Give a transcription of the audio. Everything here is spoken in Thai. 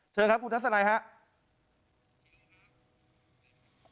เชิญครับคุณทัศนัยครับ